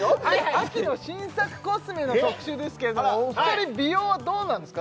秋の新作コスメの特集ですけれどもお二人美容はどうなんですか？